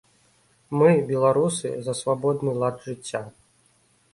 Мы, беларусы, за свабодны лад жыцця.